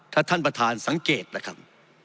ถ้าท่านประธานสังเกตนะครับ